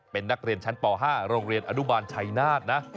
เป็นนักเรียนชั้นป๕โรงเรียนอนุบาลชัยนาธนะ